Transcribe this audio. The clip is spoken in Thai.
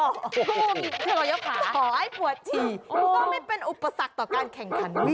กูมีเฉยก็ขาขอให้ปวดฉี่ก็ไม่เป็นอุปสรรคต่อการแข่งคันนี้